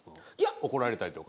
怒られたりとか。